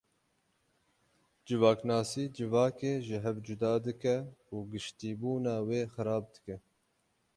Civaknasî civakê ji hev cuda dike û giştîbûna wê xirab dike.